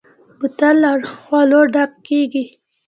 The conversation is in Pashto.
بوتل له خولو ډک کېږي.